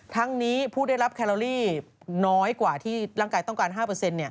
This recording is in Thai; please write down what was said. ทั้งนี้ผู้ได้รับแคลอรี่น้อยกว่าที่ร่างกายต้องการ๕